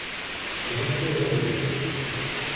Куди ж це я забрів?